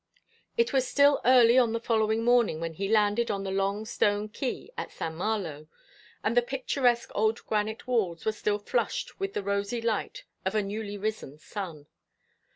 It was still early on the following morning when he landed on the long stone quay at St. Malo, and the picturesque old granite walls were still flushed with the rosy light of a newly risen sun.